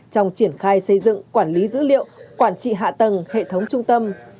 trong triển khai xây dựng quản lý dữ liệu quản trị hạ tầng hệ thống trung tâm